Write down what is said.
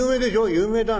「有名だよ」。